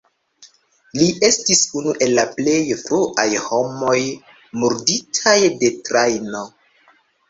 Li estis unu el la plej fruaj homoj murditaj de trajno.